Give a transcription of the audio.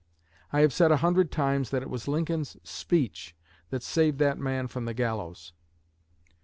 I have said a hundred times that it was Lincoln's speech that saved that man from the gallows."